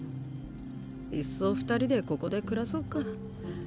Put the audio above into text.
いっそ二人でここで暮らそうか。